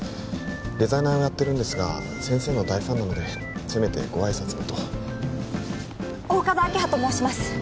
デザイナーをやってるんですが先生の大ファンなのでせめてご挨拶をと大加戸明葉と申します